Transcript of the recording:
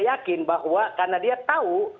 yakin bahwa karena dia tahu